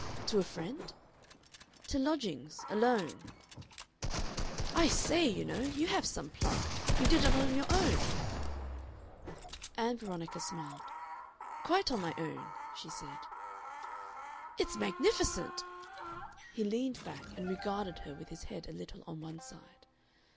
"To a friend?" "To lodgings alone." "I say, you know, you have some pluck. You did it on your own?" Ann Veronica smiled. "Quite on my own," she said. "It's magnificent!" He leaned back and regarded her with his head a little on one side.